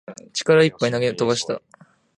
力いっぱい投げ飛ばした